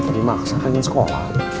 terima kasih pengen sekolah